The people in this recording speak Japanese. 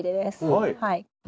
はい。